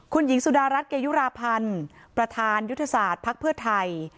คุณหญิงสุดารัฐเกยุราพันธ์ประธานยุทธศาสตร์ภักดิ์เพื่อไทย